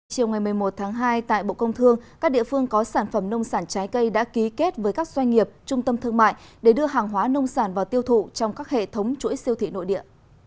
chiều ngày một mươi một tháng hai tại bộ công thương các địa phương có sản phẩm nông sản trái cây đã ký kết với các doanh nghiệp trung tâm thương mại để đưa hàng hóa nông sản vào tiêu thụ trong các hệ thống chuỗi siêu thị nội địa